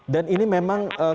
dan ini memang kalau misalnya